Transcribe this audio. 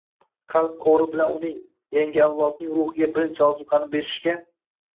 qalb qo‘ri bilan uning – yangi avlodning ruhiga birinchi ozuqani berishga